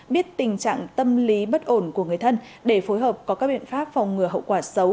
biết tình trạng tâm lý bất ổn của người thân để phối hợp có các biện pháp phòng ngừa hậu quả xấu